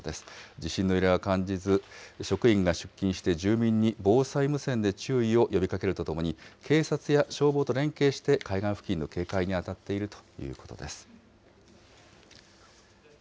地震の揺れは感じず、職員が出勤して、住民に防災無線で注意を呼びかけるとともに、警察や消防と連携して、海岸付近の警戒に当たっているということです。